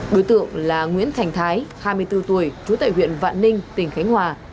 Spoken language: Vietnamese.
đối tượng là nguyễn thành thái hai mươi bốn tuổi trú tại huyện vạn ninh tỉnh khánh hòa